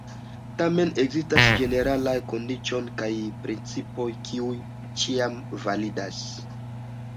Tamen ekzistas ĝeneralaj kondiĉoj kaj principoj, kiuj ĉiam validas.